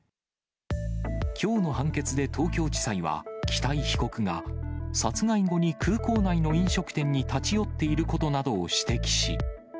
きょうの判決で東京地裁は、北井被告が、殺害後に空港内の飲食店に立ち寄っていることなどを指摘し。